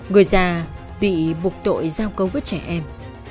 người già bị buộc tội giao cấu với trẻ em